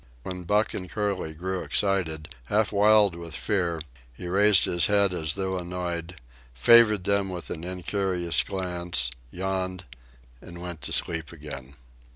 When Buck and Curly grew excited, half wild with fear, he raised his head as though annoyed, favored them with an incurious glance, yawned, and went to sleep again.